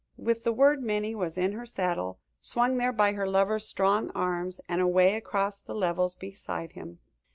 With the word Minnie was in her saddle, swung there by her lover's strong arms, and away across the levels beside him.